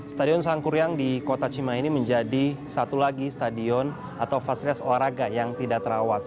stadion sangkuryang di kota cimahi ini menjadi satu lagi stadion atau fasilitas olahraga yang tidak terawat